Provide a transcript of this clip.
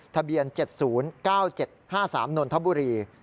ทะเบียน๗๐๙๗๕๓นนทบุรี